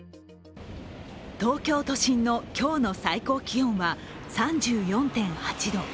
東京都心の今日の最高気温は３４．８度。